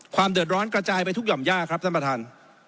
ความเดือดร้อนกระจายไปทุกหย่อมย่าครับท่านประธาน